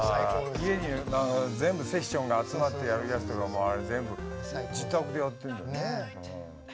家に全部セッションが集まってやるやつとかもあれ全部自宅でやってるんだよね。